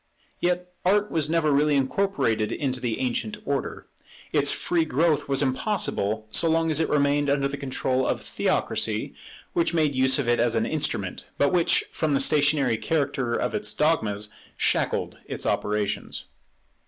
Yet Art was never really incorporated into the ancient order. Its free growth was impossible so long as it remained under the control of Theocracy, which made use of it as an instrument, but which, from the stationary character of its dogmas, shackled its operations.